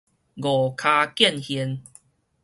五跤見現